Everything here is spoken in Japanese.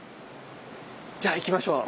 じゃあ行きましょう。